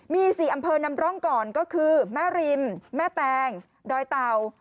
มี๔อำเภอนำร่องก่อนก็คือแม่ริมแม่แตงดอยเต่า